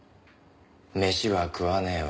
飯は食わねぇわ